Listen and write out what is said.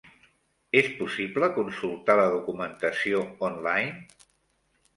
És possible consultar la documentació online?